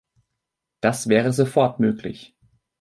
Das wäre sofort möglich.